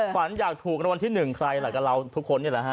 ฝันอยากถูกรางวัลที่๑ใครล่ะกับเราทุกคนนี่แหละฮะ